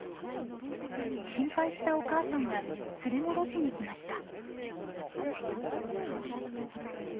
心配したお母さんが連れ戻しに来ました。